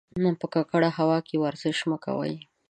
په ککړه هوا کې ورزش مه کوئ.